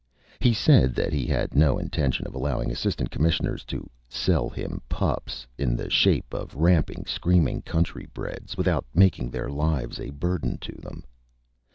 He said that he had no intention of allowing Assistant Commissioners to "sell him pups," in the shape of ramping, screaming countrybreds, without making their lives a burden to them.